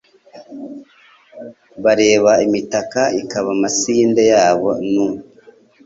Bareba imitaka ikaba amasinde yabo nu